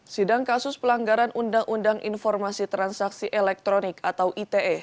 sidang kasus pelanggaran undang undang informasi transaksi elektronik atau ite